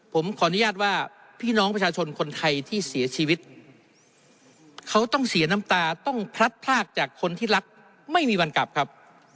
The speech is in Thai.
ผมขออนุญาตว่าพี่น้องประชาชนคนไทยที่เสียชีวิตเขาต้องเสียน้ำตาต้องพลัดพลากจากคนที่รักไม่มีวันกลับครับ